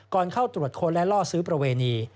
ก่อนเข้าตรวจค้นและล่อซื้อประเวณี